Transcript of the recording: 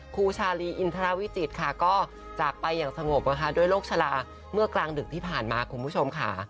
ครูชาลีอินทรวิจิตรค่ะก็จากไปอย่างสงบนะคะด้วยโรคชะลาเมื่อกลางดึกที่ผ่านมาคุณผู้ชมค่ะ